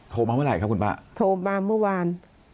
มาเมื่อไหร่ครับคุณป้าโทรมาเมื่อวาน